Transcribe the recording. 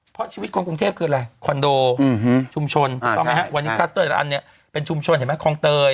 เพราะชีวิตคนกรุงเทพคืออะไรคอนโดชุมชนถูกต้องไหมฮะวันนี้คลัสเตอร์แต่ละอันเนี่ยเป็นชุมชนเห็นไหมคลองเตย